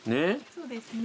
そうですね。